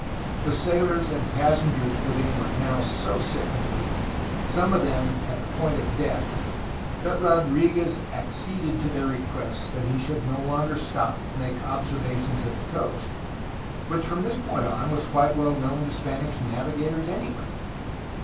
The sailors and passengers with him were now so sick and weak, some of them at the point of death, that Rodriguez acceded to their requests that he should no longer stop to make observations of the coast, which from this point on was quite well known to Spanish navigators anyway.